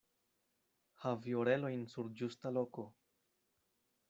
Havi orelojn sur ĝusta loko.